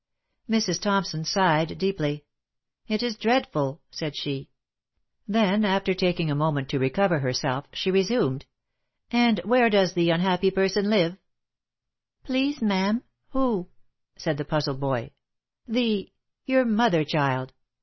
Mrs. Thompson sighed deeply. " It is dreadful !" said she. Then, after taking a moment to recover herself, she resumed, " And where does the unhappy person live ?"" Please, ma'am, who?" said the puzzled boy. f< The — your mother, child.